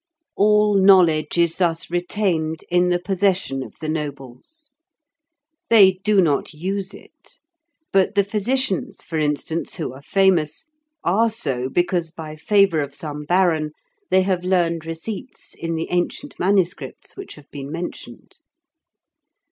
All knowledge is thus retained in the possession of the nobles; they do not use it, but the physicians, for instance, who are famous, are so because by favour of some baron, they have learned receipts in the ancient manuscripts which have been mentioned.